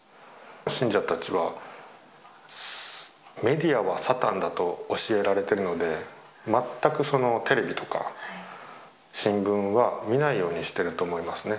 信者たちは、メディアはサタンだと教えられてるので、全くそのテレビとか、新聞は見ないようにしていると思いますね。